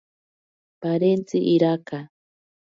Parentzi iraka.